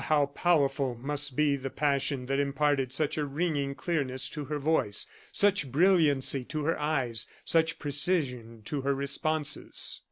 how powerful must be the passion that imparted such a ringing clearness to her voice, such brilliancy to her eyes, such precision to her responses.